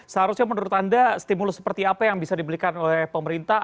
seharusnya menurut anda stimulus seperti apa yang bisa dibelikan oleh pemerintah